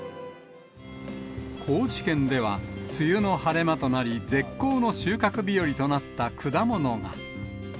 高知県では、梅雨の晴れ間となり、絶好の収穫日和となった果物が。